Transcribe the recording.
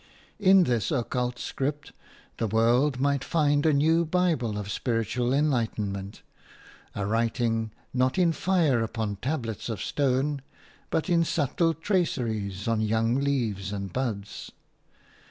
In this occult script the world might find a new bible of spiritual enlightenment – a writing, not in fire upon tables of stone, but in subtile traceries on young leaves and buds.